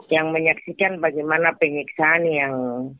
yang menyaksikan bagaimana penyiksaan yang